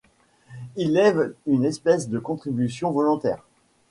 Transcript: Il lève une espèce de contribution volontaire.